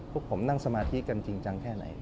พวกผมนั่งสมาธิกันจริงจังแค่ไหน